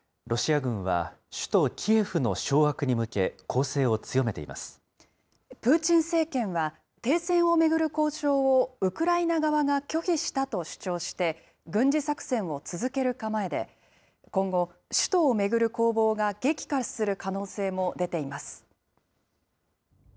ロシア軍は、首都キエフの掌握に向け、プーチン政権は、停戦を巡る交渉をウクライナ側が拒否したと主張して、軍事作戦を続ける構えで、今後、首都を巡る攻防が激化する可能性も出ています。